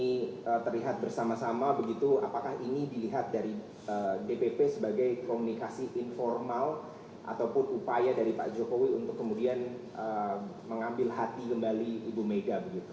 ini terlihat bersama sama begitu apakah ini dilihat dari dpp sebagai komunikasi informal ataupun upaya dari pak jokowi untuk kemudian mengambil hati kembali ibu mega